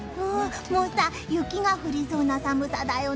もうさ、雪が降りそうな寒さだよね。